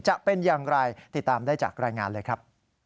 จะเป็นอย่างไรติดตามได้จากรายงานเลยครับ